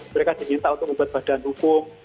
mereka diminta untuk membuat badan hukum